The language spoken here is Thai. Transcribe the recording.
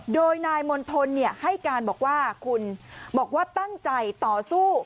โดยนายมณฑลให้การบอกว่าคุณบอกว่าตั้งใจต่อสู้